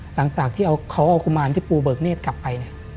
หลังจากที่เขาเอากุมารที่ปูเบิกเนธกลับไปเนี่ย